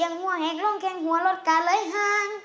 อย่างหัวให้โล่งเคียงหัวรถกลักเล่ยห้าง